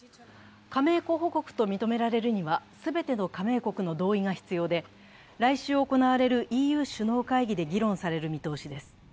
加盟候補国と認められるのは全ての加盟国の同意が必要で、来週行われるＥＵ首脳会議で議論される見通しです。